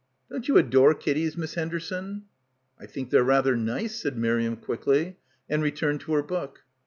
"Don't you adore kiddies, Miss Henderson?" "I think they're rather nice," said Miriam quickly, and returned to her book.